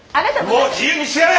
もう自由にしてやれ！